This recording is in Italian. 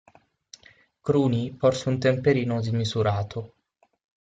Cruni porse un temperino smisurato.